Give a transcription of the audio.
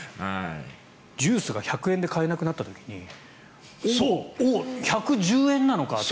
ジュースが１００円で買えなくなった時におっ、１１０円なのかって。